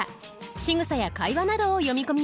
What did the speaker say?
しぐさや会話などを詠み込みます。